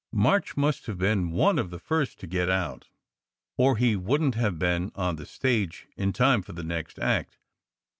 "March must have been one of the first to get out, or he wouldn t have been on the stage in time for the next act.